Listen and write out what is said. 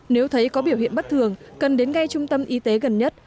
nếu thấy có biểu hiện bất thường cần đến ngay trung tâm y tế gần nhất